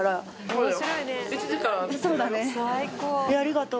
いやありがとう。